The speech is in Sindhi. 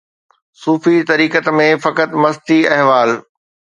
صوفي طریقت ۾ فقط مستي احوال